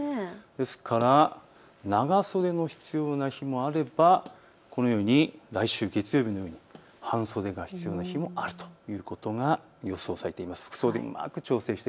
ですから長袖が必要な日もあれば来週の月曜日のように半袖の日もあるということが予想されています。